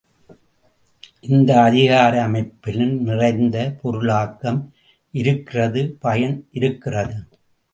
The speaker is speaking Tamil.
இந்த அதிகார அமைப்பிலும் நிறைந்த பொருளாக்கம் இருக்கிறது பயன் இருக்கிறது.